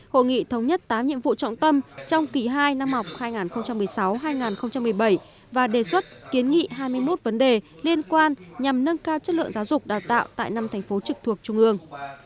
hội nghị thống nhất tám nhiệm vụ trọng tâm trong kỳ hai năm học hai nghìn một mươi sáu hai nghìn một mươi bảy và đề xuất kiến nghị hai mươi một vấn đề liên quan nhằm nâng cao chất lượng giáo dục đào tạo tại năm thành phố trực thuộc trung ương